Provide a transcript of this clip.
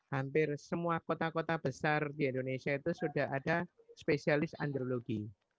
hampir semua kota kota besar di indonesia itu sudah ada spesialis andrologi